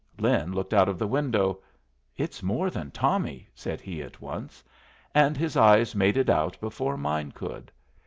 Lin looked out of the window. "It's more than Tommy," said he, at once; and his eyes made it out before mine could.